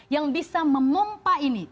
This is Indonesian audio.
yang bisa memompa ini